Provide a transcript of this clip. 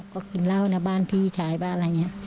ก็กินเหล้านะบ้านพี่ชายบ้านอะไรอย่างนี้